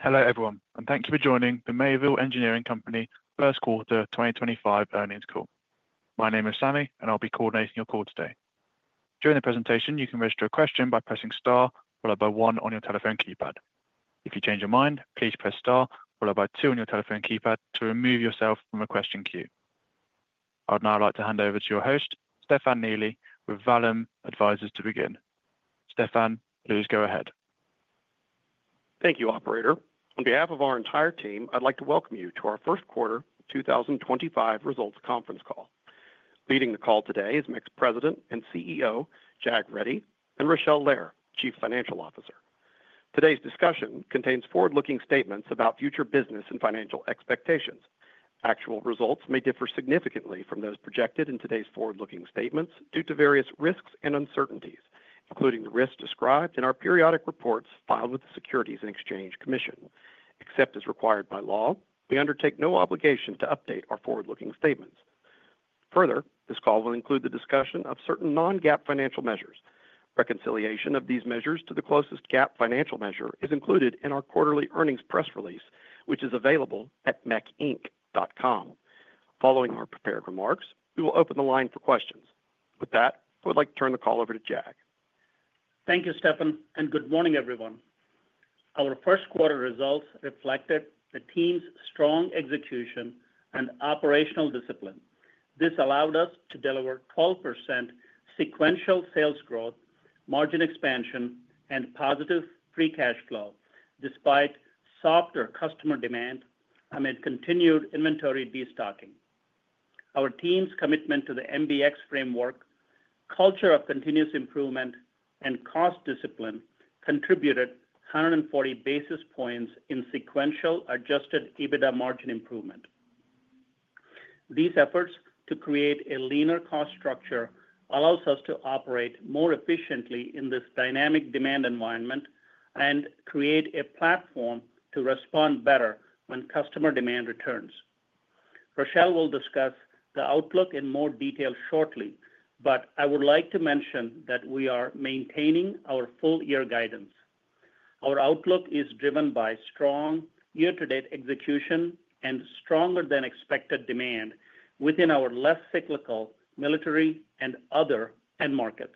Hello everyone, and thank you for joining the Mayville Engineering Company First Quarter 2025 earnings call. My name is Sami, and I'll be coordinating your call today. During the presentation, you can register a question by pressing star followed by one on your telephone keypad. If you change your mind, please press star followed by two on your telephone keypad to remove yourself from a question queue. I'd now like to hand over to your host, Stefan Neely, with Vallum Advisors to begin. Stefan, please go ahead. Thank you, Operator. On behalf of our entire team, I'd like to welcome you to our First Quarter 2025 results conference call. Leading the call today is Mayville Engineering Company President and CEO, Jag Reddy, and Rachele Lehr, Chief Financial Officer. Today's discussion contains forward-looking statements about future business and financial expectations. Actual results may differ significantly from those projected in today's forward-looking statements due to various risks and uncertainties, including the risks described in our periodic reports filed with the Securities and Exchange Commission. Except as required by law, we undertake no obligation to update our forward-looking statements. Further, this call will include the discussion of certain non-GAAP financial measures. Reconciliation of these measures to the closest GAAP financial measure is included in our quarterly earnings press release, which is available at mecinc.com. Following our prepared remarks, we will open the line for questions. With that, I would like to turn the call over to Jag. Thank you, Stefan, and good morning, everyone. Our first quarter results reflected the team's strong execution and operational discipline. This allowed us to deliver 12% sequential sales growth, margin expansion, and positive free cash flow despite softer customer demand amid continued inventory destocking. Our team's commitment to the MBX framework, culture of continuous improvement, and cost discipline contributed 140 basis points in sequential Adjusted EBITDA margin improvement. These efforts to create a leaner cost structure allow us to operate more efficiently in this dynamic demand environment and create a platform to respond better when customer demand returns. Rachele will discuss the outlook in more detail shortly, but I would like to mention that we are maintaining our full-year guidance. Our outlook is driven by strong year-to-date execution and stronger-than-expected demand within our less cyclical military and other end markets.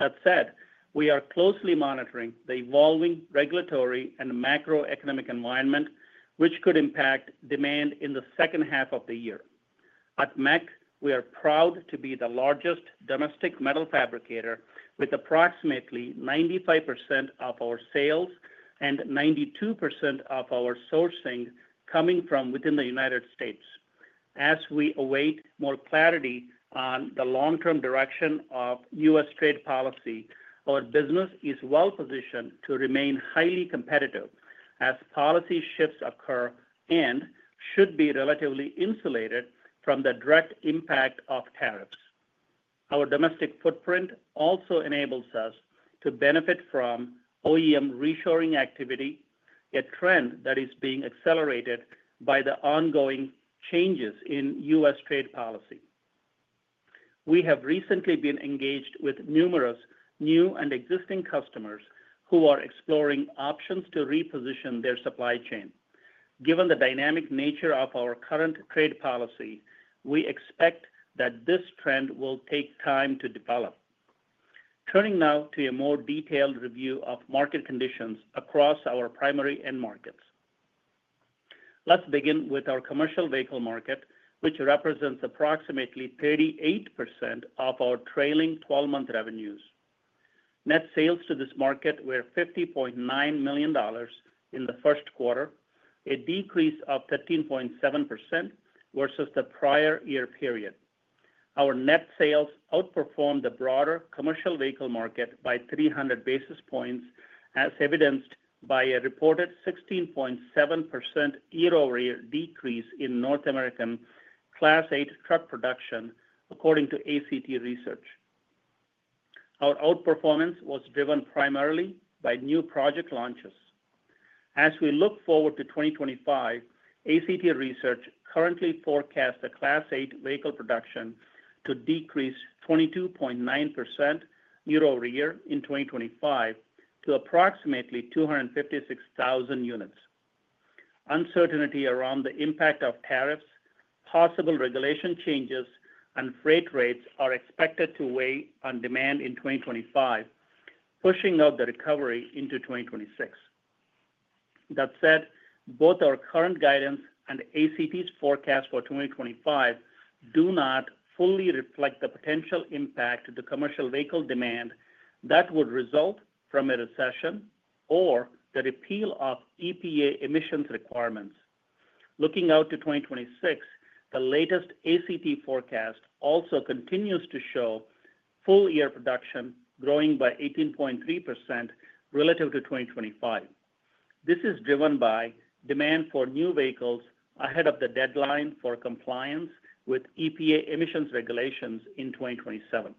That said, we are closely monitoring the evolving regulatory and macroeconomic environment, which could impact demand in the second half of the year. At MEC, we are proud to be the largest domestic metal fabricator, with approximately 95% of our sales and 92% of our sourcing coming from within the United States. As we await more clarity on the long-term direction of U.S. trade policy, our business is well-positioned to remain highly competitive as policy shifts occur and should be relatively insulated from the direct impact of tariffs. Our domestic footprint also enables us to benefit from OEM reshoring activity, a trend that is being accelerated by the ongoing changes in U.S. trade policy. We have recently been engaged with numerous new and existing customers who are exploring options to reposition their supply chain. Given the dynamic nature of our current trade policy, we expect that this trend will take time to develop. Turning now to a more detailed review of market conditions across our primary end markets, let's begin with our commercial vehicle market, which represents approximately 38% of our trailing 12-month revenues. Net sales to this market were $50.9 million in the first quarter, a decrease of 13.7% versus the prior year period. Our net sales outperformed the broader commercial vehicle market by 300 basis points, as evidenced by a reported 16.7% year-over-year decrease in North American Class 8 truck production, according to ACT Research. Our outperformance was driven primarily by new project launches. As we look forward to 2025, ACT Research currently forecasts the Class 8 vehicle production to decrease 22.9% year-over-year in 2025 to approximately 256,000 units. Uncertainty around the impact of tariffs, possible regulation changes, and freight rates are expected to weigh on demand in 2025, pushing out the recovery into 2026. That said, both our current guidance and ACT's forecast for 2025 do not fully reflect the potential impact to the commercial vehicle demand that would result from a recession or the repeal of EPA emissions requirements. Looking out to 2026, the latest ACT forecast also continues to show full-year production growing by 18.3% relative to 2025. This is driven by demand for new vehicles ahead of the deadline for compliance with EPA emissions regulations in 2027.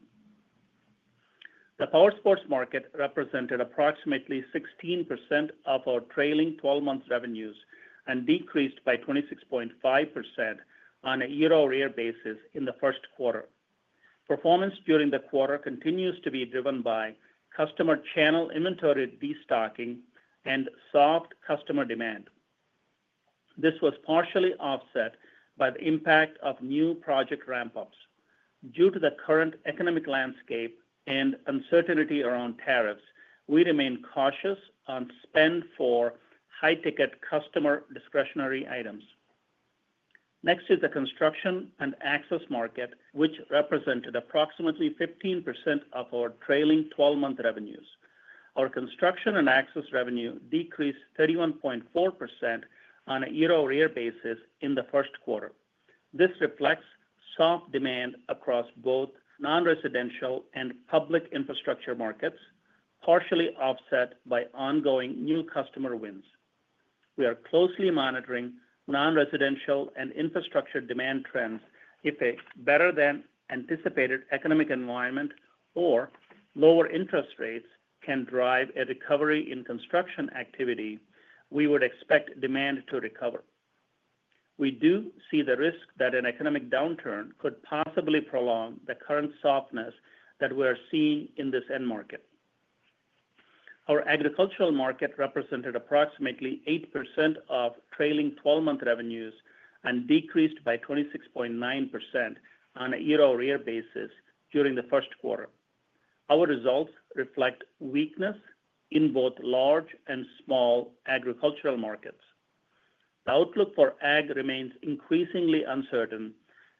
The power sports market represented approximately 16% of our trailing 12-month revenues and decreased by 26.5% on a year-over-year basis in the first quarter. Performance during the quarter continues to be driven by customer channel inventory destocking and soft customer demand. This was partially offset by the impact of new project ramp-ups. Due to the current economic landscape and uncertainty around tariffs, we remain cautious on spend for high-ticket customer discretionary items. Next is the construction and access market, which represented approximately 15% of our trailing 12-month revenues. Our construction and access revenue decreased 31.4% on a year-over-year basis in the first quarter. This reflects soft demand across both non-residential and public infrastructure markets, partially offset by ongoing new customer wins. We are closely monitoring non-residential and infrastructure demand trends. If a better-than-anticipated economic environment or lower interest rates can drive a recovery in construction activity, we would expect demand to recover. We do see the risk that an economic downturn could possibly prolong the current softness that we are seeing in this end market. Our agricultural market represented approximately 8% of trailing 12-month revenues and decreased by 26.9% on a year-over-year basis during the first quarter. Our results reflect weakness in both large and small agricultural markets. The outlook for ag remains increasingly uncertain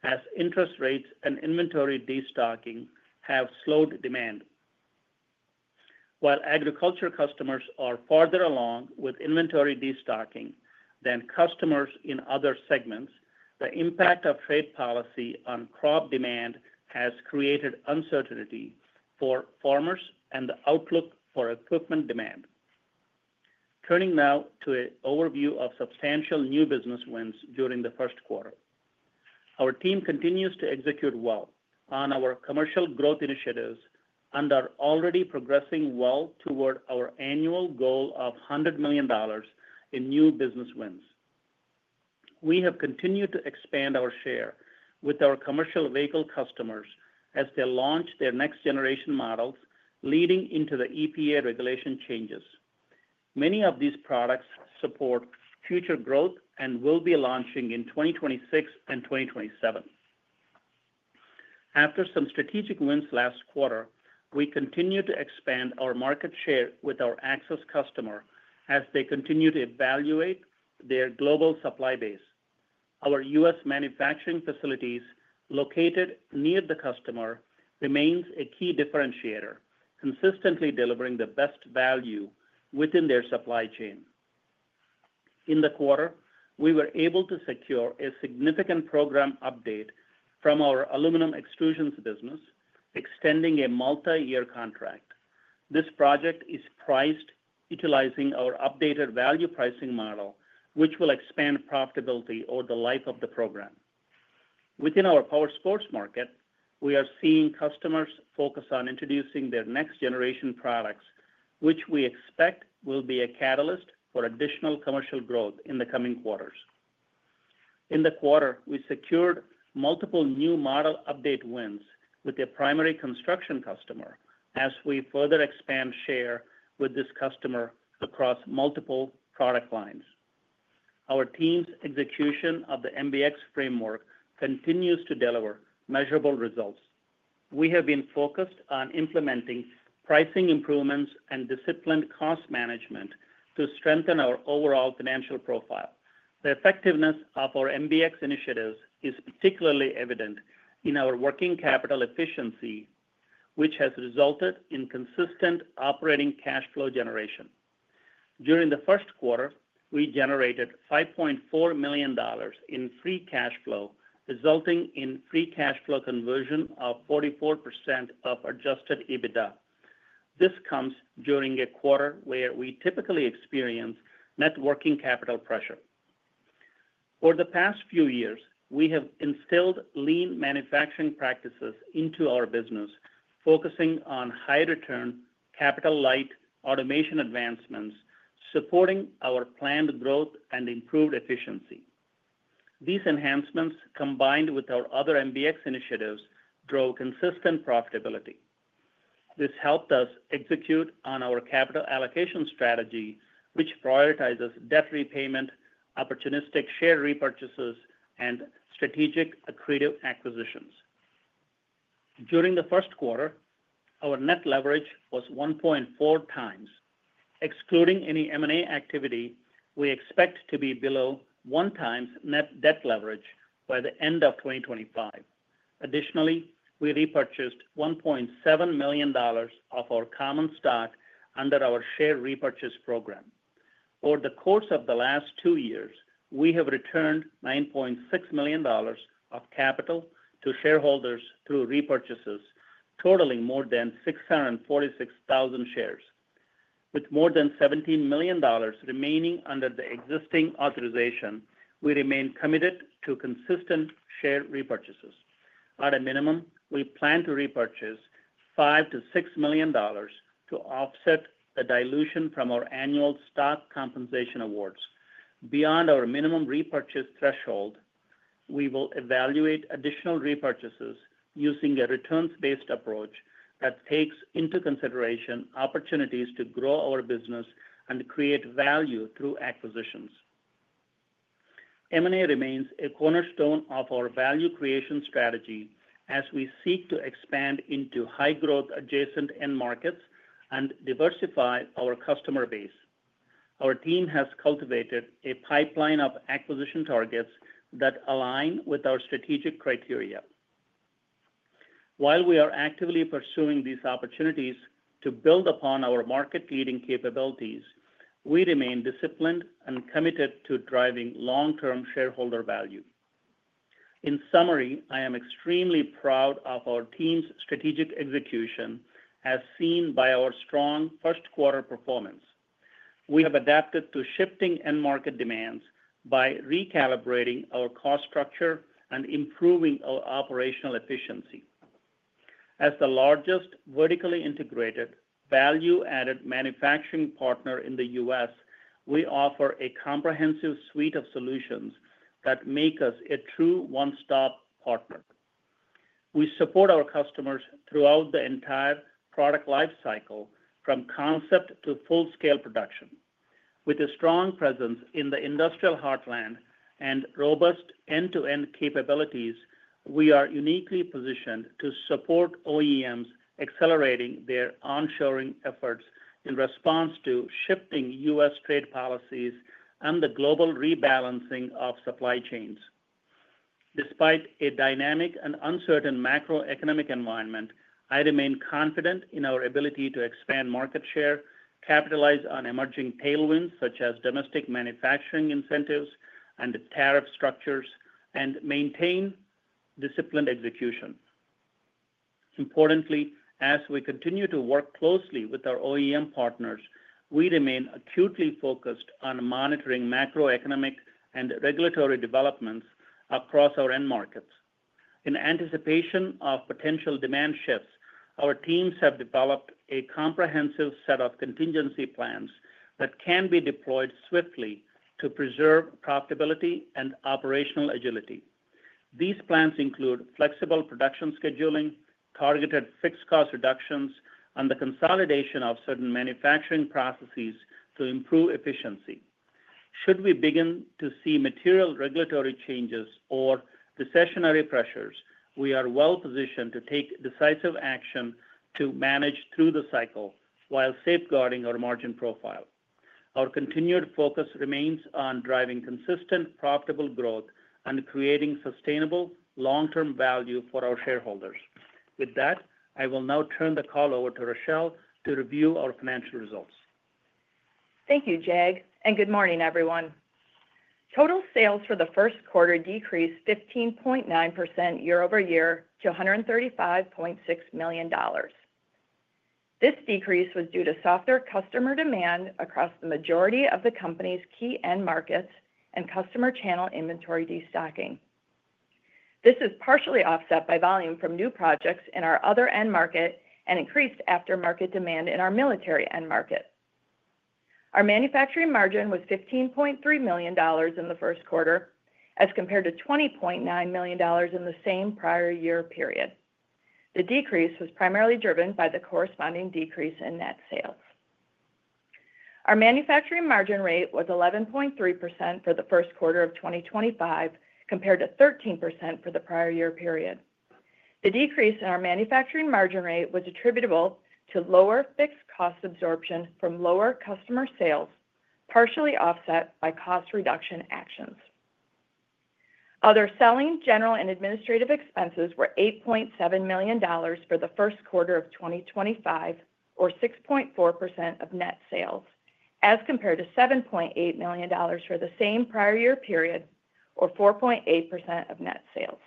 as interest rates and inventory destocking have slowed demand. While agriculture customers are farther along with inventory destocking than customers in other segments, the impact of trade policy on crop demand has created uncertainty for farmers and the outlook for equipment demand. Turning now to an overview of substantial new business wins during the first quarter, our team continues to execute well on our commercial growth initiatives and are already progressing well toward our annual goal of $100 million in new business wins. We have continued to expand our share with our commercial vehicle customers as they launch their next-generation models leading into the EPA regulation changes. Many of these products support future growth and will be launching in 2026 and 2027. After some strategic wins last quarter, we continue to expand our market share with our access customer as they continue to evaluate their global supply base. Our U.S. manufacturing facilities located near the customer remain a key differentiator, consistently delivering the best value within their supply chain. In the quarter, we were able to secure a significant program update from our aluminum extrusion business, extending a multi-year contract. This project is priced utilizing our updated value pricing model, which will expand profitability over the life of the program. Within our power sports market, we are seeing customers focus on introducing their next-generation products, which we expect will be a catalyst for additional commercial growth in the coming quarters. In the quarter, we secured multiple new model update wins with a primary construction customer as we further expand share with this customer across multiple product lines. Our team's execution of the MBX framework continues to deliver measurable results. We have been focused on implementing pricing improvements and disciplined cost management to strengthen our overall financial profile. The effectiveness of our MBX initiatives is particularly evident in our working capital efficiency, which has resulted in consistent operating cash flow generation. During the first quarter, we generated $5.4 million in free cash flow, resulting in free cash flow conversion of 44% of Adjusted EBITDA. This comes during a quarter where we typically experience net working capital pressure. For the past few years, we have instilled lean manufacturing practices into our business, focusing on high-return, capital-light automation advancements, supporting our planned growth and improved efficiency. These enhancements, combined with our other MBX initiatives, drove consistent profitability. This helped us execute on our capital allocation strategy, which prioritizes debt repayment, opportunistic share repurchases, and strategic accretive acquisitions. During the first quarter, our net leverage was 1.4 times. Excluding any M&A activity, we expect to be below 1 times net debt leverage by the end of 2025. Additionally, we repurchased $1.7 million of our common stock under our share repurchase program. Over the course of the last two years, we have returned $9.6 million of capital to shareholders through repurchases, totaling more than 646,000 shares. With more than $17 million remaining under the existing authorization, we remain committed to consistent share repurchases. At a minimum, we plan to repurchase $5-$6 million to offset the dilution from our annual stock compensation awards. Beyond our minimum repurchase threshold, we will evaluate additional repurchases using a returns-based approach that takes into consideration opportunities to grow our business and create value through acquisitions. M&A remains a cornerstone of our value creation strategy as we seek to expand into high-growth adjacent end markets and diversify our customer base. Our team has cultivated a pipeline of acquisition targets that align with our strategic criteria. While we are actively pursuing these opportunities to build upon our market-leading capabilities, we remain disciplined and committed to driving long-term shareholder value. In summary, I am extremely proud of our team's strategic execution, as seen by our strong first-quarter performance. We have adapted to shifting end market demands by recalibrating our cost structure and improving our operational efficiency. As the largest vertically integrated value-added manufacturing partner in the U.S., we offer a comprehensive suite of solutions that make us a true one-stop partner. We support our customers throughout the entire product lifecycle, from concept to full-scale production. With a strong presence in the industrial heartland and robust end-to-end capabilities, we are uniquely positioned to support OEMs accelerating their onshoring efforts in response to shifting U.S. trade policies and the global rebalancing of supply chains. Despite a dynamic and uncertain macroeconomic environment, I remain confident in our ability to expand market share, capitalize on emerging tailwinds such as domestic manufacturing incentives and tariff structures, and maintain disciplined execution. Importantly, as we continue to work closely with our OEM partners, we remain acutely focused on monitoring macroeconomic and regulatory developments across our end markets. In anticipation of potential demand shifts, our teams have developed a comprehensive set of contingency plans that can be deployed swiftly to preserve profitability and operational agility. These plans include flexible production scheduling, targeted fixed cost reductions, and the consolidation of certain manufacturing processes to improve efficiency. Should we begin to see material regulatory changes or recessionary pressures, we are well-positioned to take decisive action to manage through the cycle while safeguarding our margin profile. Our continued focus remains on driving consistent profitable growth and creating sustainable long-term value for our shareholders. With that, I will now turn the call over to Rachele to review our financial results. Thank you, Jag. And good morning, everyone. Total sales for the first quarter decreased 15.9% year-over-year to $135.6 million. This decrease was due to softer customer demand across the majority of the company's key end markets and customer channel inventory destocking. This is partially offset by volume from new projects in our other end market and increased aftermarket demand in our military end market. Our manufacturing margin was $15.3 million in the first quarter as compared to $20.9 million in the same prior year period. The decrease was primarily driven by the corresponding decrease in net sales. Our manufacturing margin rate was 11.3% for the first quarter of 2025 compared to 13% for the prior year period. The decrease in our manufacturing margin rate was attributable to lower fixed cost absorption from lower customer sales, partially offset by cost reduction actions. Other selling, general and administrative expenses were $8.7 million for the first quarter of 2025, or 6.4% of net sales, as compared to $7.8 million for the same prior year period, or 4.8% of net sales.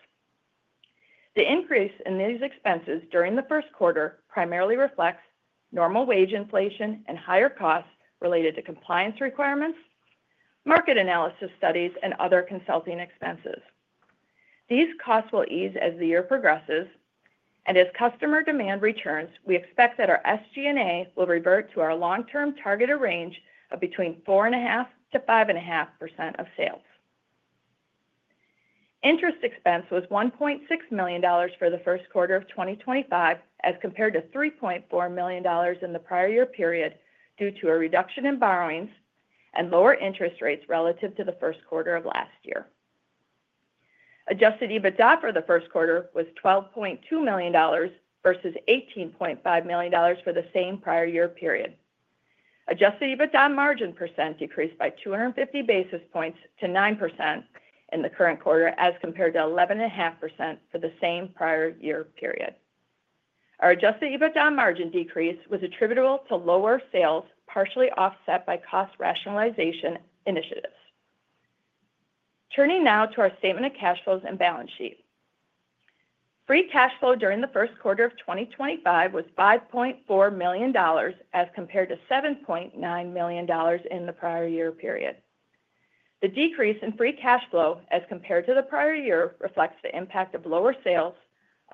The increase in these expenses during the first quarter primarily reflects normal wage inflation and higher costs related to compliance requirements, market analysis studies, and other consulting expenses. These costs will ease as the year progresses. As customer demand returns, we expect that our SG&A will revert to our long-term targeted range of between 4.5%-5.5% of sales. Interest expense was $1.6 million for the first quarter of 2025 as compared to $3.4 million in the prior year period due to a reduction in borrowings and lower interest rates relative to the first quarter of last year. Adjusted EBITDA for the first quarter was $12.2 million versus $18.5 million for the same prior year period. Adjusted EBITDA margin percent decreased by 250 basis points to 9% in the current quarter as compared to 11.5% for the same prior year period. Our Adjusted EBITDA margin decrease was attributable to lower sales, partially offset by cost rationalization initiatives. Turning now to our statement of cash flows and balance sheet. Free cash flow during the first quarter of 2025 was $5.4 million as compared to $7.9 million in the prior year period. The decrease in free cash flow as compared to the prior year reflects the impact of lower sales,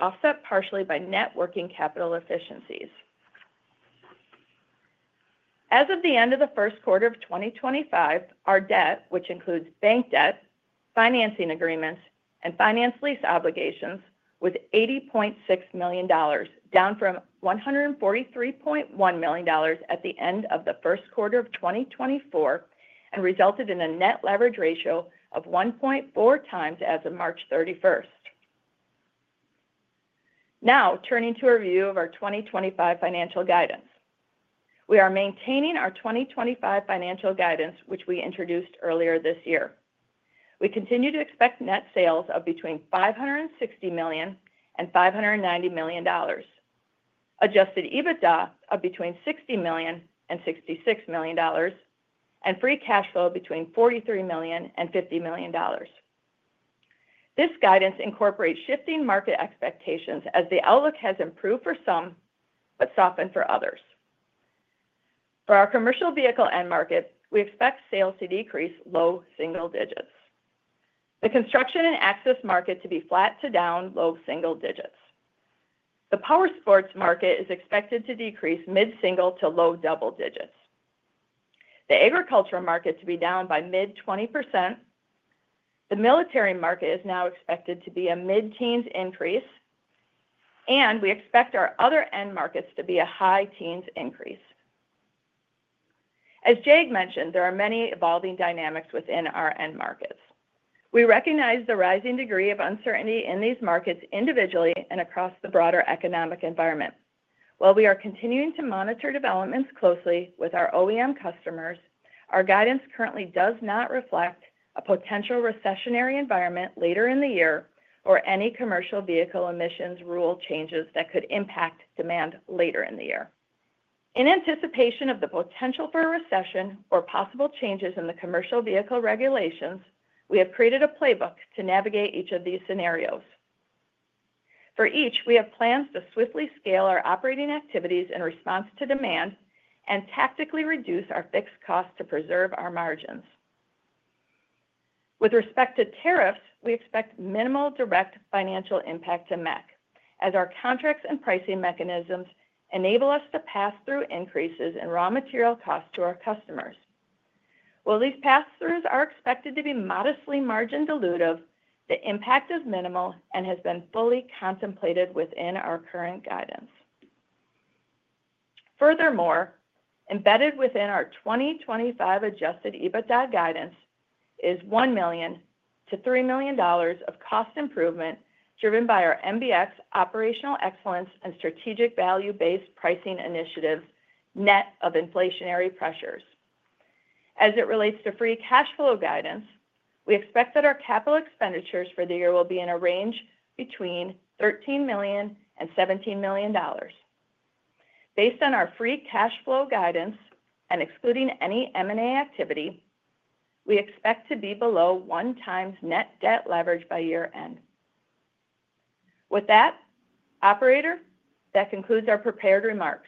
offset partially by net working capital efficiencies. As of the end of the first quarter of 2025, our debt, which includes bank debt, financing agreements, and finance lease obligations, was $80.6 million, down from $143.1 million at the end of the first quarter of 2024 and resulted in a net leverage ratio of 1.4 times as of March 31. Now, turning to a review of our 2025 financial guidance. We are maintaining our 2025 financial guidance, which we introduced earlier this year. We continue to expect net sales of between $560 million and $590 million, Adjusted EBITDA of between $60 million and $66 million, and free cash flow between $43 million and $50 million. This guidance incorporates shifting market expectations as the outlook has improved for some but softened for others. For our commercial vehicle end market, we expect sales to decrease low single digits, the construction and access market to be flat to down low single digits. The power sports market is expected to decrease mid-single to low double digits, the agriculture market to be down by mid-20%. The military market is now expected to be a mid-teens increase, and we expect our other end markets to be a high teens increase. As Jag mentioned, there are many evolving dynamics within our end markets. We recognize the rising degree of uncertainty in these markets individually and across the broader economic environment. While we are continuing to monitor developments closely with our OEM customers, our guidance currently does not reflect a potential recessionary environment later in the year or any commercial vehicle emissions rule changes that could impact demand later in the year. In anticipation of the potential for a recession or possible changes in the commercial vehicle regulations, we have created a playbook to navigate each of these scenarios. For each, we have plans to swiftly scale our operating activities in response to demand and tactically reduce our fixed costs to preserve our margins. With respect to tariffs, we expect minimal direct financial impact to MEC, as our contracts and pricing mechanisms enable us to pass through increases in raw material costs to our customers. While these pass-throughs are expected to be modestly margin-dilutive, the impact is minimal and has been fully contemplated within our current guidance. Furthermore, embedded within our 2025 Adjusted EBITDA guidance is $1 million-$3 million of cost improvement driven by our MBX operational excellence and strategic value-based pricing initiatives net of inflationary pressures. As it relates to free cash flow guidance, we expect that our capital expenditures for the year will be in a range between $13 million and $17 million. Based on our free cash flow guidance and excluding any M&A activity, we expect to be below one times net debt leverage by year-end. With that, Operator, that concludes our prepared remarks.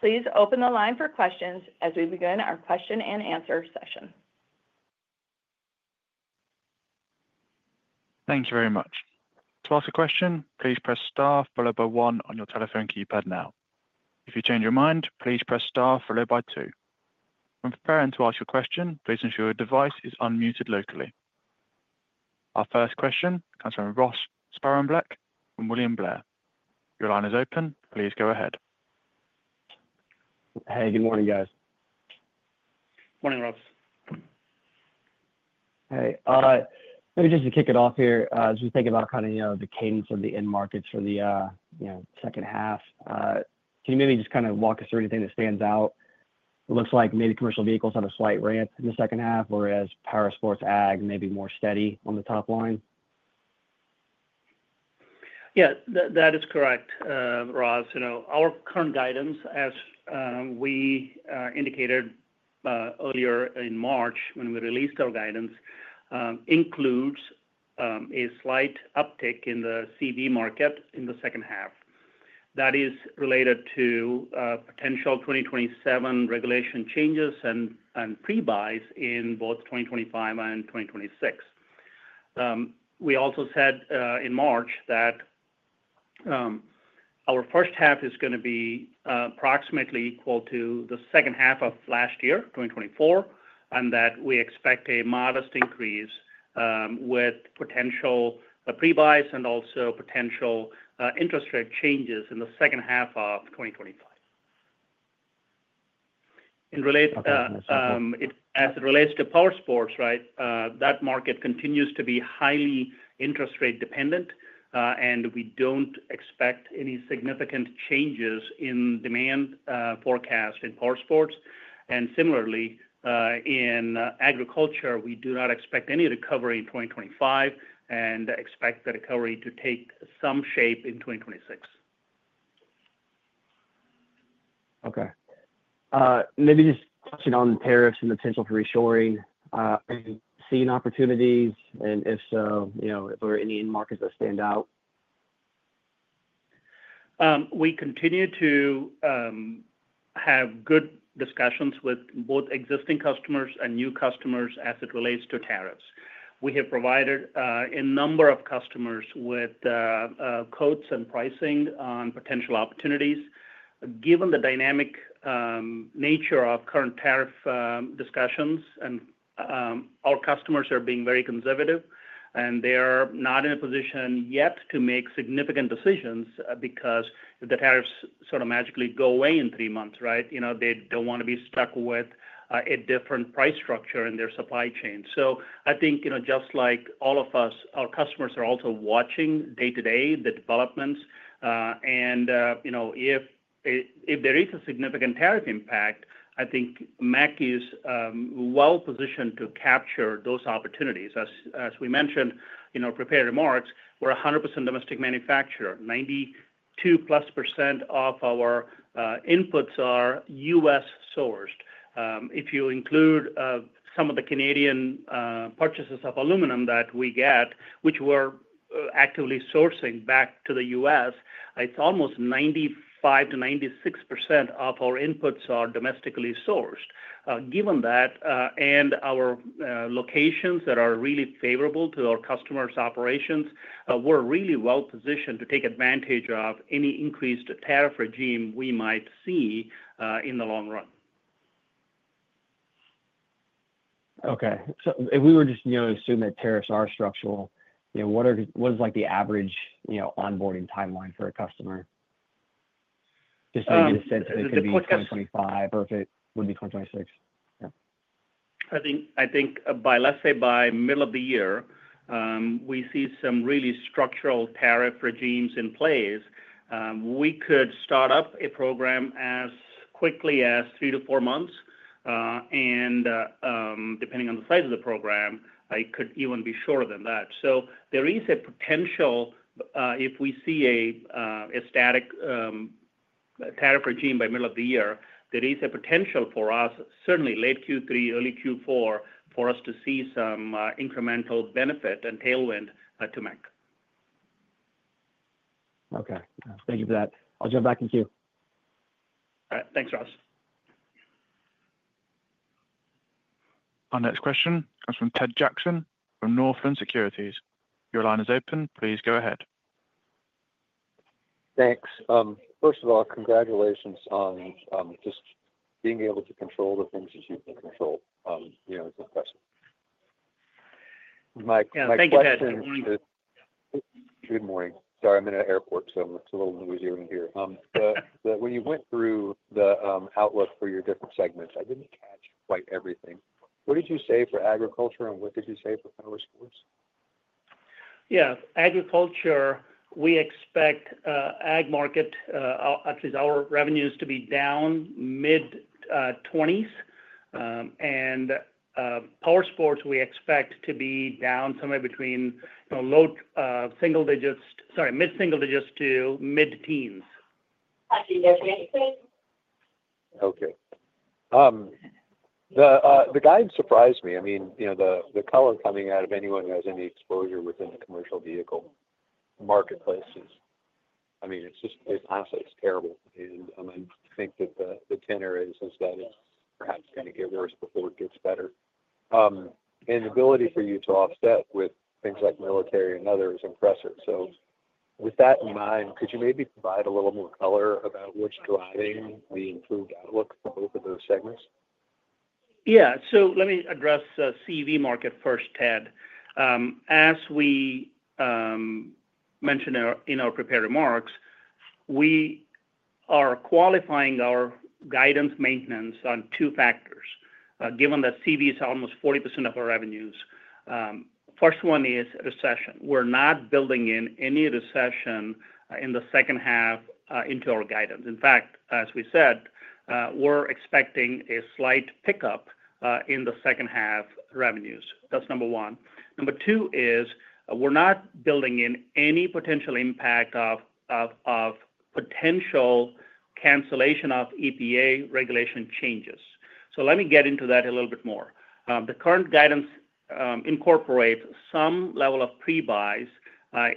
Please open the line for questions as we begin our question and answer session. Thank you very much. To ask a question, please press star followed by one on your telephone keypad now. If you change your mind, please press star followed by two. When preparing to ask your question, please ensure your device is unmuted locally. Our first question comes from Ross Sparenblek from William Blair. Your line is open. Please go ahead. Hey, good morning, guys. Morning, Ross. Hey. Maybe just to kick it off here, as we think about kind of the cadence of the end markets for the second half, can you maybe just kind of walk us through anything that stands out? It looks like maybe commercial vehicles had a slight ramp in the second half, whereas power sports ag may be more steady on the top line. Yeah, that is correct, Ross. Our current guidance, as we indicated earlier in March when we released our guidance, includes a slight uptick in the CV market in the second half. That is related to potential 2027 regulation changes and prebuys in both 2025 and 2026. We also said in March that our first half is going to be approximately equal to the second half of last year, 2024, and that we expect a modest increase with potential prebuys and also potential interest rate changes in the second half of 2025. As it relates to power sports, right, that market continues to be highly interest rate dependent, and we do not expect any significant changes in demand forecast in power sports. Similarly, in agriculture, we do not expect any recovery in 2025 and expect the recovery to take some shape in 2026. Okay. Maybe just question on tariffs and potential for reshoring. Any seeing opportunities? If so, if there are any end markets that stand out? We continue to have good discussions with both existing customers and new customers as it relates to tariffs. We have provided a number of customers with quotes and pricing on potential opportunities. Given the dynamic nature of current tariff discussions, our customers are being very conservative, and they are not in a position yet to make significant decisions because the tariffs sort of magically go away in three months, right? They do not want to be stuck with a different price structure in their supply chain. I think just like all of us, our customers are also watching day-to-day the developments. If there is a significant tariff impact, I think MEC is well-positioned to capture those opportunities. As we mentioned in our prepared remarks, we are a 100% domestic manufacturer. 92% plus of our inputs are U.S. sourced. If you include some of the Canadian purchases of aluminum that we get, which we're actively sourcing back to the U.S., it's almost 95%-96% of our inputs are domestically sourced. Given that and our locations that are really favorable to our customers' operations, we're really well-positioned to take advantage of any increased tariff regime we might see in the long run. Okay. If we were just to assume that tariffs are structural, what is the average onboarding timeline for a customer? Just so you get a sense of it could be 2025 or if it would be 2026. I think by, let's say, by middle of the year, we see some really structural tariff regimes in place. We could start up a program as quickly as three to four months. Depending on the size of the program, it could even be shorter than that. There is a potential if we see a static tariff regime by middle of the year, there is a potential for us, certainly late Q3, early Q4, for us to see some incremental benefit and tailwind to MEC. Okay. Thank you for that. I'll jump back in queue. All right. Thanks, Ross. Our next question comes from Ted Jackson from Northland Securities. Your line is open. Please go ahead. Thanks. First of all, congratulations on just being able to control the things that you can control. It's impressive. My question is good morning. Sorry, I'm in an airport, so it's a little noisy over here. When you went through the outlook for your different segments, I didn't catch quite everything. What did you say for agriculture, and what did you say for power sports? Yeah. Agriculture, we expect ag market, at least our revenues, to be down mid-20s. Power sports, we expect to be down somewhere between mid-single digits to mid-teens. Okay. The guide surprised me. I mean, the color coming out of anyone who has any exposure within the commercial vehicle marketplace is, I mean, it's just honestly, it's terrible. I think that the tenor is that it's perhaps going to get worse before it gets better. The ability for you to offset with things like military and others impresses. With that in mind, could you maybe provide a little more color about what's driving the improved outlook for both of those segments? Yeah. Let me address CV market first, Ted. As we mentioned in our prepared remarks, we are qualifying our guidance maintenance on two factors. Given that CV is almost 40% of our revenues, the first one is recession. We're not building in any recession in the second half into our guidance. In fact, as we said, we're expecting a slight pickup in the second half revenues. That's number one. Number two is we're not building in any potential impact of potential cancellation of EPA regulation changes. Let me get into that a little bit more. The current guidance incorporates some level of prebuys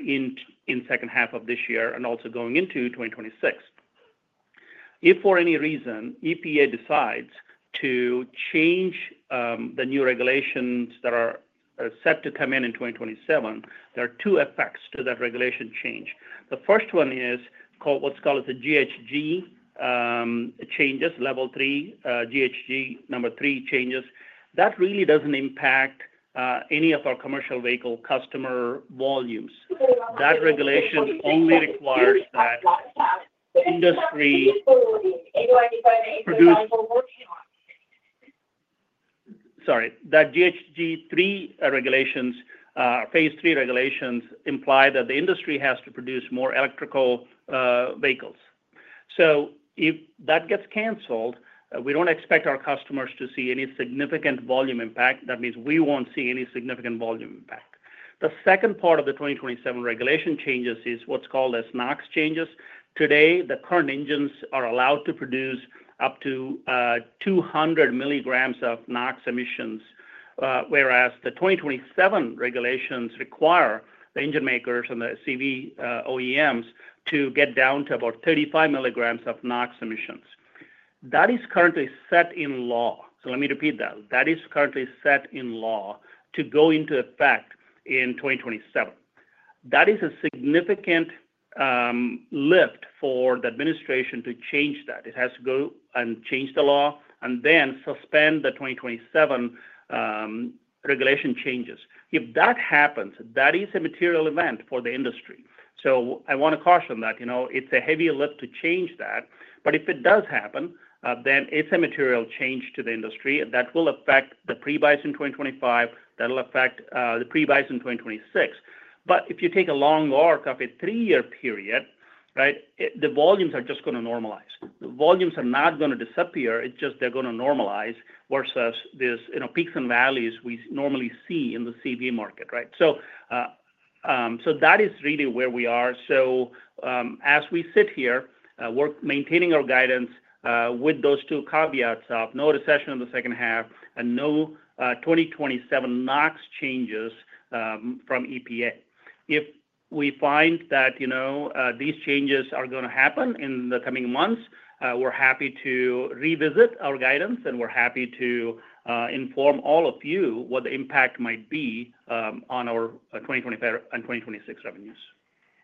in the second half of this year and also going into 2026. If for any reason EPA decides to change the new regulations that are set to come in in 2027, there are two effects to that regulation change. The first one is what's called the GHG changes, level three GHG number three changes. That really doesn't impact any of our commercial vehicle customer volumes. That regulation only requires that industry produced—sorry. That GHG phase three regulations imply that the industry has to produce more electrical vehicles. If that gets canceled, we do not expect our customers to see any significant volume impact. That means we will not see any significant volume impact. The second part of the 2027 regulation changes is what is called NOx changes. Today, the current engines are allowed to produce up to 200 milligrams of NOx emissions, whereas the 2027 regulations require the engine makers and the CV OEMs to get down to about 35 milligrams of NOx emissions. That is currently set in law. Let me repeat that. That is currently set in law to go into effect in 2027. That is a significant lift for the administration to change that. It has to go and change the law and then suspend the 2027 regulation changes. If that happens, that is a material event for the industry. I want to caution that it's a heavy lift to change that. If it does happen, then it's a material change to the industry. That will affect the prebuys in 2025. That will affect the prebuys in 2026. If you take a long arc of a three-year period, right, the volumes are just going to normalize. The volumes are not going to disappear. It's just they're going to normalize versus these peaks and valleys we normally see in the CV market, right? That is really where we are. As we sit here, we're maintaining our guidance with those two caveats of no recession in the second half and no 2027 NOx changes from EPA. If we find that these changes are going to happen in the coming months, we're happy to revisit our guidance, and we're happy to inform all of you what the impact might be on our 2025 and 2026 revenues.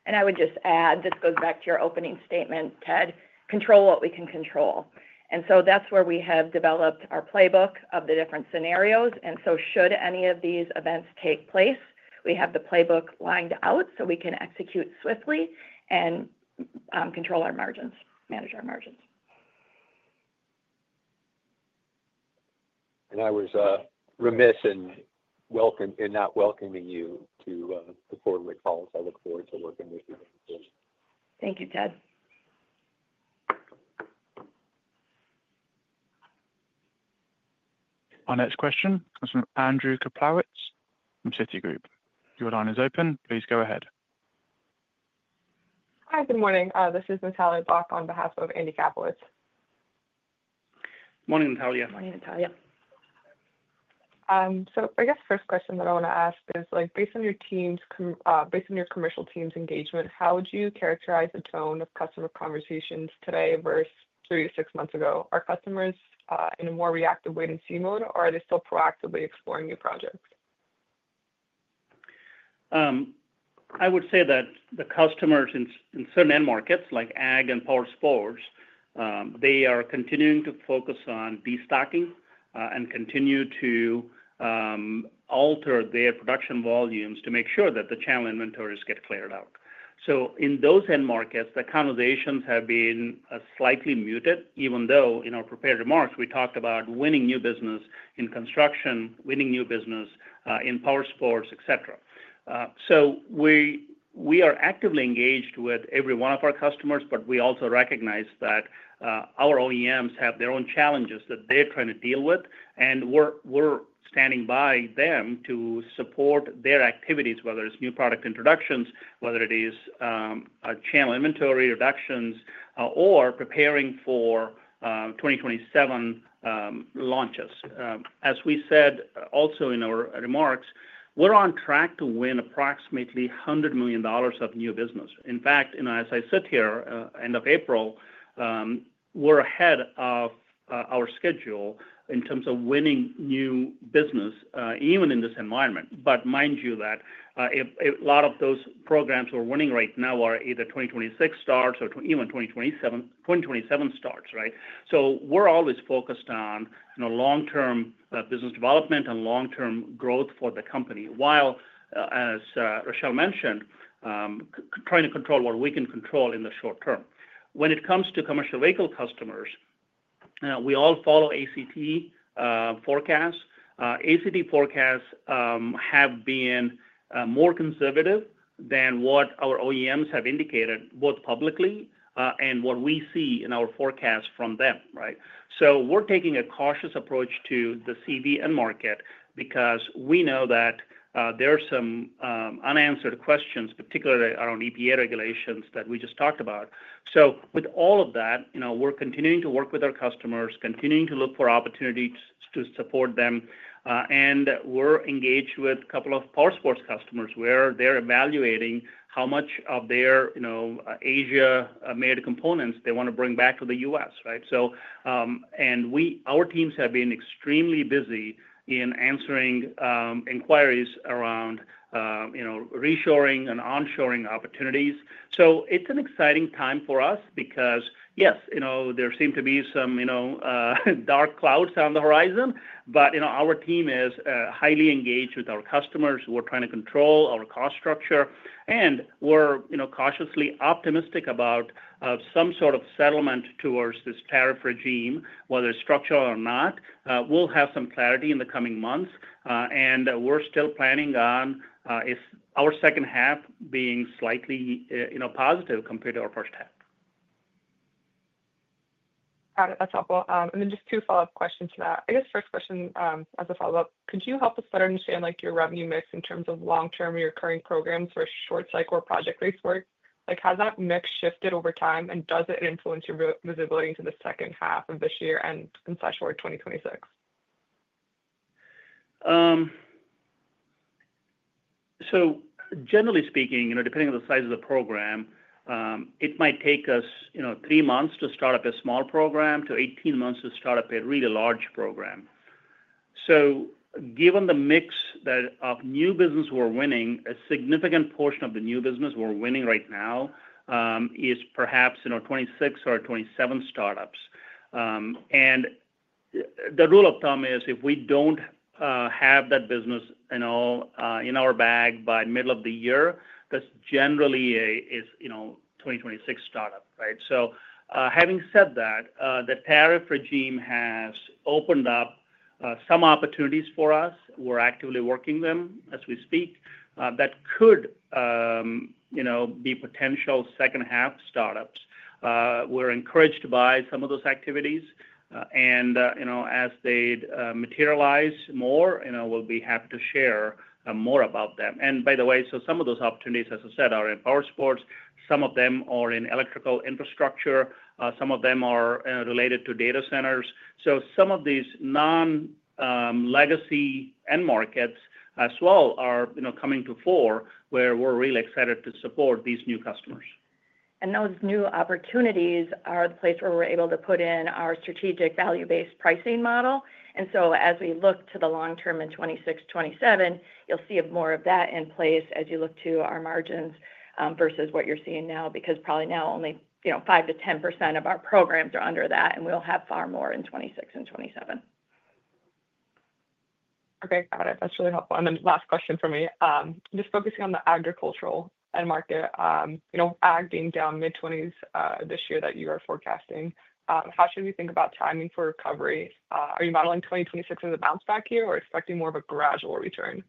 I would just add, this goes back to your opening statement, Ted, control what we can control. That is where we have developed our playbook of the different scenarios. Should any of these events take place, we have the playbook lined out so we can execute swiftly and control our margins, manage our margins. I was remiss in not welcoming you to the forward with calls. I look forward to working with you. Thank you, Ted. Our next question comes from Andrew Kapowitz from Citigroup. Your line is open. Please go ahead. Hi, good morning. This is Natalia Bak on behalf of Andy Kapowitz. Morning, Natalia. So I guess the first question that I want to ask is, based on your team's, based on your commercial team's engagement, how would you characterize the tone of customer conversations today versus three to six months ago? Are customers in a more reactive wait-and-see mode, or are they still proactively exploring new projects? I would say that the customers in certain end markets like ag and power sports, they are continuing to focus on destocking and continue to alter their production volumes to make sure that the channel inventories get cleared out. In those end markets, the conversations have been slightly muted, even though in our prepared remarks, we talked about winning new business in construction, winning new business in power sports, etc. We are actively engaged with every one of our customers, but we also recognize that our OEMs have their own challenges that they're trying to deal with. We are standing by them to support their activities, whether it's new product introductions, whether it is channel inventory reductions, or preparing for 2027 launches. As we said also in our remarks, we're on track to win approximately $100 million of new business. In fact, as I sit here, end of April, we're ahead of our schedule in terms of winning new business, even in this environment. Mind you that a lot of those programs we're winning right now are either 2026 starts or even 2027 starts, right? We are always focused on long-term business development and long-term growth for the company, while, as Rachele mentioned, trying to control what we can control in the short term. When it comes to commercial vehicle customers, we all follow ACT forecasts. ACT forecasts have been more conservative than what our OEMs have indicated, both publicly and what we see in our forecasts from them, right? We are taking a cautious approach to the CV end market because we know that there are some unanswered questions, particularly around EPA regulations that we just talked about. With all of that, we are continuing to work with our customers, continuing to look for opportunities to support them. We are engaged with a couple of power sports customers where they are evaluating how much of their Asia-made components they want to bring back to the U.S., right? Our teams have been extremely busy in answering inquiries around reshoring and onshoring opportunities. It's an exciting time for us because, yes, there seem to be some dark clouds on the horizon, but our team is highly engaged with our customers. We're trying to control our cost structure. We're cautiously optimistic about some sort of settlement towards this tariff regime, whether it's structural or not. We'll have some clarity in the coming months. We're still planning on our second half being slightly positive compared to our first half. Got it. That's helpful. Two follow-up questions to that. I guess the first question as a follow-up, could you help us better understand your revenue mix in terms of long-term or your current programs for short-cycle or project-based work? Has that mix shifted over time, and does it influence your visibility into the second half of this year and/or 2026? Generally speaking, depending on the size of the program, it might take us three months to start up a small program to 18 months to start up a really large program. Given the mix of new business we're winning, a significant portion of the new business we're winning right now is perhaps 26 or 27 startups. The rule of thumb is if we do not have that business in our bag by middle of the year, that is generally a 2026 startup, right? Having said that, the tariff regime has opened up some opportunities for us. We're actively working them as we speak. That could be potential second-half startups. We're encouraged by some of those activities. As they materialize more, we'll be happy to share more about them. By the way, some of those opportunities, as I said, are in power sports. Some of them are in electrical infrastructure. Some of them are related to data centers. Some of these non-legacy end markets as well are coming to fore where we're really excited to support these new customers. Those new opportunities are the place where we're able to put in our strategic value-based pricing model. As we look to the long term in 2026, 2027, you'll see more of that in place as you look to our margins versus what you're seeing now because probably now only 5%-10% of our programs are under that, and we'll have far more in 2026 and 2027. Okay. Got it. That's really helpful. Last question for me. Just focusing on the agricultural end market, ag being down mid-20% this year that you are forecasting, how should we think about timing for recovery? Are you modeling 2026 as a bounce back year or expecting more of a gradual return?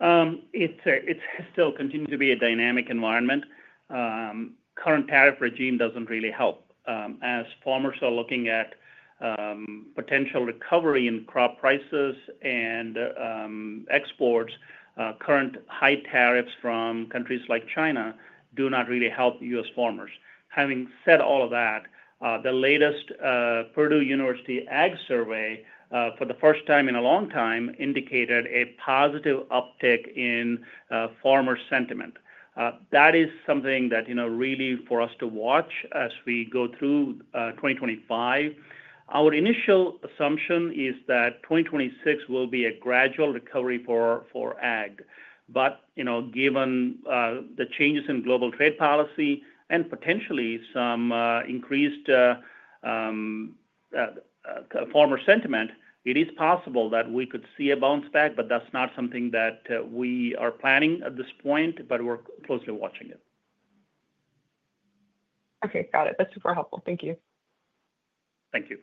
It still continues to be a dynamic environment. Current tariff regime does not really help. As farmers are looking at potential recovery in crop prices and exports, current high tariffs from countries like China do not really help U.S. farmers. Having said all of that, the latest Purdue University Ag Survey for the first time in a long time indicated a positive uptick in farmer sentiment. That is something that really for us to watch as we go through 2025. Our initial assumption is that 2026 will be a gradual recovery for ag. Given the changes in global trade policy and potentially some increased farmer sentiment, it is possible that we could see a bounce back, but that is not something that we are planning at this point, but we are closely watching it. Okay. Got it. That's super helpful. Thank you. Thank you.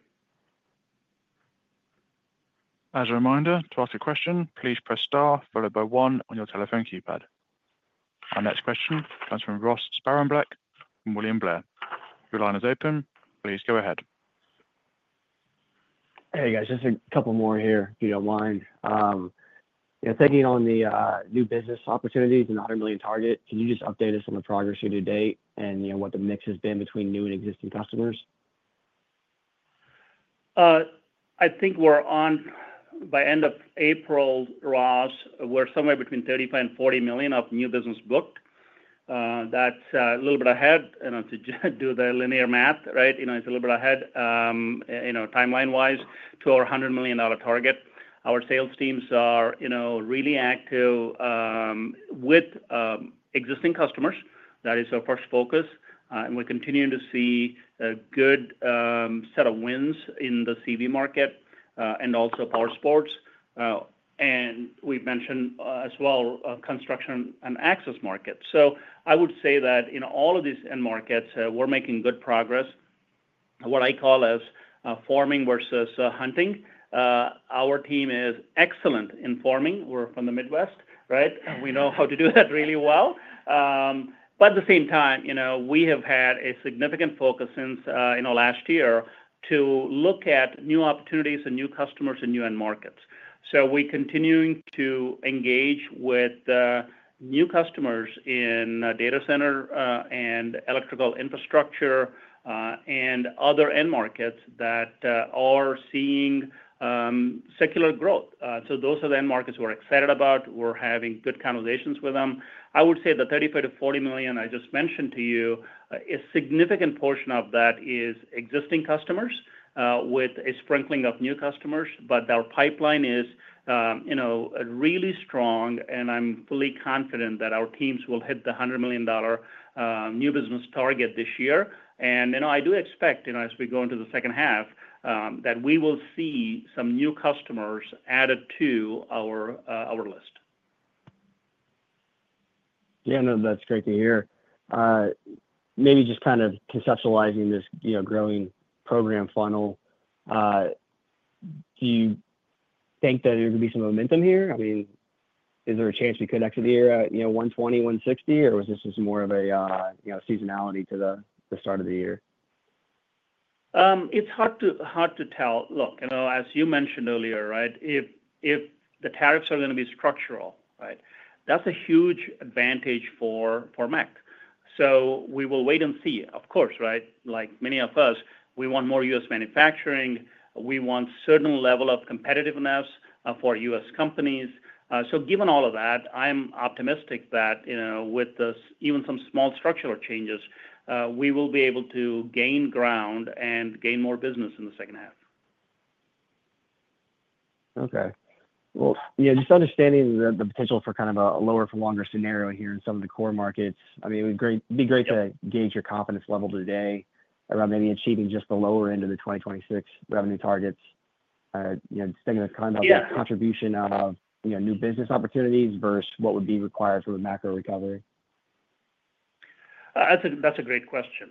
As a reminder, to ask a question, please press star followed by one on your telephone keypad. Our next question comes from Ross Sparenblek from William Blair. Your line is open. Please go ahead. Hey, guys. Just a couple more here, if you don't mind. Thinking on the new business opportunities and $100 million target, can you just update us on the progress here to date and what the mix has been between new and existing customers? I think we're on, by end of April, Ross, we're somewhere between $35 million and $40 million of new business booked. That's a little bit ahead. To do the linear math, right, it's a little bit ahead timeline-wise to our $100 million target. Our sales teams are really active with existing customers. That is our first focus. We're continuing to see a good set of wins in the CV market and also power sports. We've mentioned as well construction and access markets. I would say that in all of these end markets, we're making good progress. What I call as farming versus hunting, our team is excellent in farming. We're from the Midwest, right? We know how to do that really well. At the same time, we have had a significant focus since last year to look at new opportunities and new customers in new end markets. We're continuing to engage with new customers in data center and electrical infrastructure and other end markets that are seeing secular growth. Those are the end markets we're excited about. We're having good conversations with them. I would say the $35 million-$40 million I just mentioned to you, a significant portion of that is existing customers with a sprinkling of new customers, but our pipeline is really strong. I'm fully confident that our teams will hit the $100 million new business target this year. I do expect as we go into the second half that we will see some new customers added to our list. Yeah. No, that's great to hear. Maybe just kind of conceptualizing this growing program funnel, do you think that there could be some momentum here? I mean, is there a chance we could exit the year at $120 million, $160 million, or was this just more of a seasonality to the start of the year? It's hard to tell. Look, as you mentioned earlier, right, if the tariffs are going to be structural, right, that's a huge advantage for MEC. We will wait and see, of course, right? Like many of us, we want more U.S. manufacturing. We want a certain level of competitiveness for U.S. companies. Given all of that, I'm optimistic that with even some small structural changes, we will be able to gain ground and gain more business in the second half. Okay. Yeah, just understanding the potential for kind of a lower-for-longer scenario here in some of the core markets. I mean, it would be great to gauge your confidence level today around maybe achieving just the lower end of the 2026 revenue targets, just thinking of kind of the contribution of new business opportunities versus what would be required for the macro recovery. That's a great question.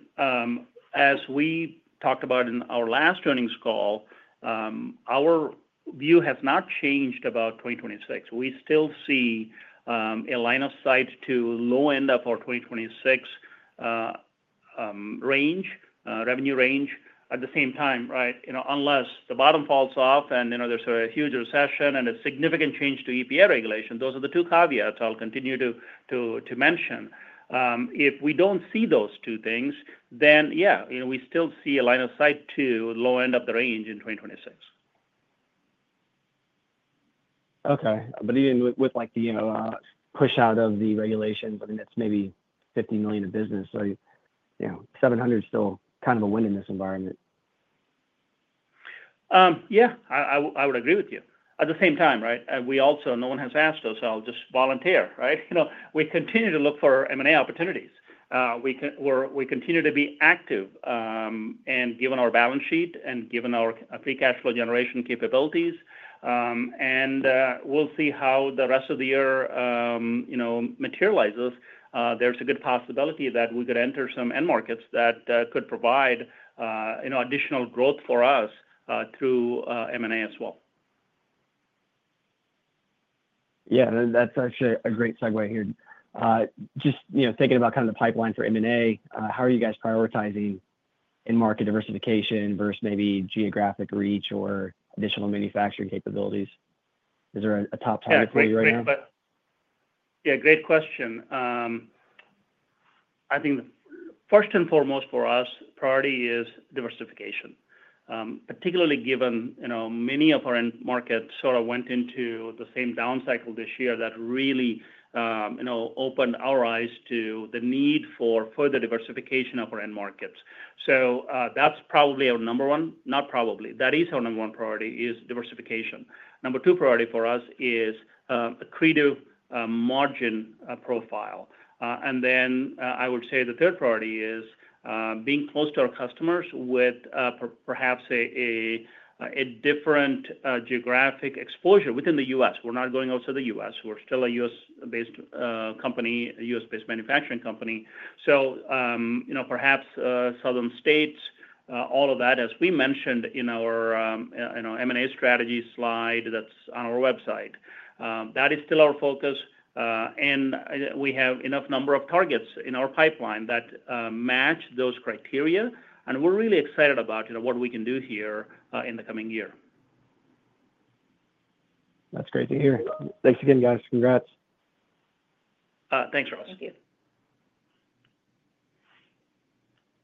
As we talked about in our last earnings call, our view has not changed about 2026. We still see a line of sight to low end of our 2026 revenue range at the same time, right? Unless the bottom falls off and there's a huge recession and a significant change to EPA regulation, those are the two caveats I'll continue to mention. If we don't see those two things, then yeah, we still see a line of sight to low end of the range in 2026. Okay. Even with the push out of the regulations, I mean, that's maybe $50 million of business. $700 million is still kind of a win in this environment. Yeah. I would agree with you. At the same time, right, no one has asked us, "I'll just volunteer," right? We continue to look for M&A opportunities. We continue to be active and given our balance sheet and given our free cash flow generation capabilities. We'll see how the rest of the year materializes. There's a good possibility that we could enter some end markets that could provide additional growth for us through M&A as well. Yeah. That's actually a great segue here. Just thinking about kind of the pipeline for M&A, how are you guys prioritizing in market diversification versus maybe geographic reach or additional manufacturing capabilities? Is there a top target for you right now? Yeah. Great question. I think first and foremost for us, priority is diversification, particularly given many of our end markets sort of went into the same down cycle this year that really opened our eyes to the need for further diversification of our end markets. That's probably our number one. Not probably. That is our number one priority is diversification. Number two priority for us is a creative margin profile. I would say the third priority is being close to our customers with perhaps a different geographic exposure within the U.S. We're not going out to the U.S. We're still a U.S.-based company, a U.S.-based manufacturing company. Perhaps southern states, all of that, as we mentioned in our M&A strategy slide that's on our website. That is still our focus. We have enough number of targets in our pipeline that match those criteria. We're really excited about what we can do here in the coming year. That's great to hear. Thanks again, guys. Congrats. Thanks, Ross. Thank you.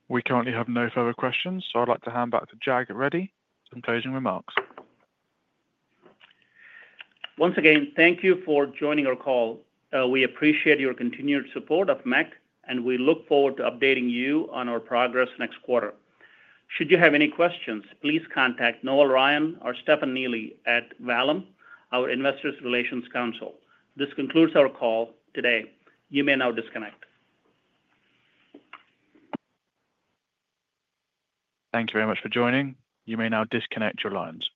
We currently have no further questions. I'd like to hand back to Jag Reddy for closing remarks. Once again, thank you for joining our call. We appreciate your continued support of MEC, and we look forward to updating you on our progress next quarter. Should you have any questions, please contact Noel Ryan or Stefan Neely at Vallum, our Investor Relations Counsel. This concludes our call today. You may now disconnect. Thank you very much for joining. You may now disconnect your lines.